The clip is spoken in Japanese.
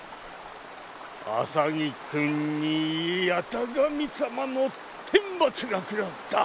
浅木くんに八咫神様の天罰が下った。